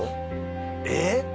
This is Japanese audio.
えっ！？